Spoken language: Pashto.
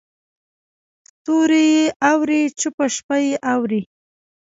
ستوري یې اوري چوپه شپه یې اوري